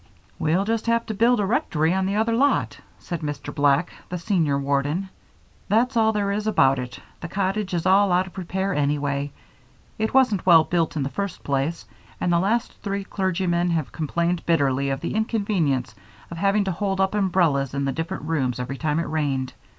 "We'll just have to build a rectory on the other lot," said Mr. Black, the senior warden. "That's all there is about it. The cottage is all out of repair, anyway. It wasn't well built in the first place, and the last three clergymen have complained bitterly of the inconvenience of having to hold up umbrellas in the different rooms every time it rained.